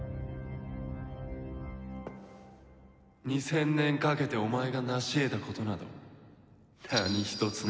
２０００年かけてお前が成し得たことなど何一つない。